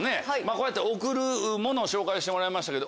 こうやって贈るもの紹介してもらいましたけど